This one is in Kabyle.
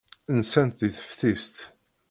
Nsant deg teftist.